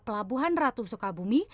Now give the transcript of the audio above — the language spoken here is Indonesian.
pelabuhan ratu soekabumi